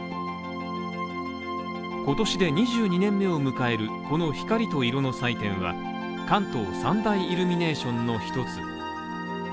今年で２２年目を迎えるこの光と色の祭典は関東三大イルミネーションの一つ。